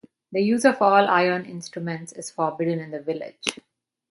The use of all iron instruments is forbidden in the village.